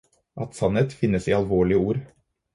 At sannhet finnes i alvorlige ord.